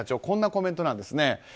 こんなコメントなんですね。